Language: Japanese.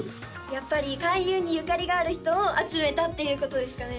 やっぱり開運にゆかりがある人を集めたっていうことですかね